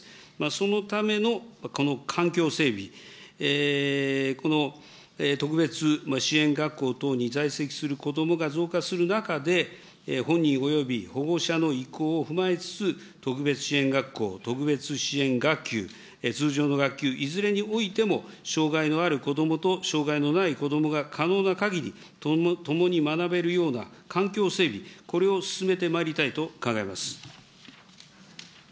そのためのこの環境整備、この特別支援学校等に在籍する子どもが増加する中で、本人および保護者の意向を踏まえつつ、特別支援学校、特別支援学級、通常の学級、いずれにおいても障害のある子どもと障害のない子どもが可能なかぎり、共に学べるような環境整備、これを進めてまいりたいと考えます。